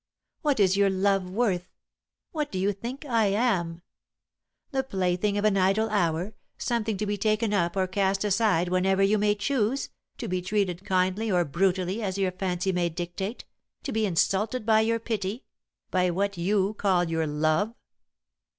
What is your love worth? What do you think I am? The plaything of an idle hour, something to be taken up or cast aside whenever you may choose, to be treated kindly or brutally as your fancy may dictate, to be insulted by your pity by what you call your love?